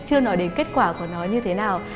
chưa nói đến kết quả của nó như thế nào